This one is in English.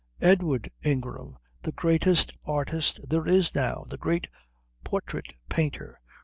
Edward Ingram. The greatest artist there is now. The great portrait painter.